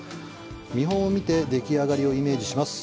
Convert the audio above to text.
見本を見て、でき上がりをイメージします。